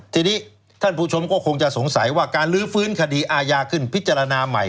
ทีนี้ท่านผู้ชมก็คงจะสงสัยว่าการลื้อฟื้นคดีอาญาขึ้นพิจารณาใหม่